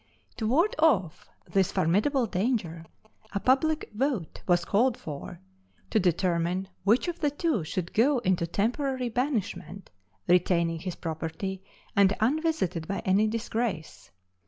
To ward off this formidable danger, a public vote was called for, to determine which of the two should go into temporary banishment, retaining his property and unvisited by any disgrace.